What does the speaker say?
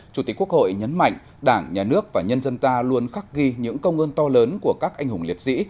chủ tịch quốc hội nhấn mạnh đảng nhà nước và nhân dân ta luôn khắc ghi những công ơn to lớn của các anh hùng liệt sĩ